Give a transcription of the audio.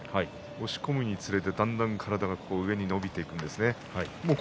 押し込むにつれて体がだんだん上に伸びていくんですね。